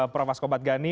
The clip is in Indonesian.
prof skobat gani